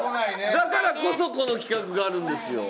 だからこそこの企画があるんですよ。